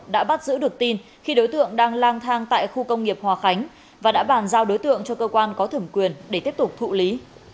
đã bắt giữ được tin khi đối tượng đang lang thang tại khu công nghiệp hòa khánh và đã bàn giao đối tượng cho cơ quan có thẩm quyền để tiếp tục thụ lý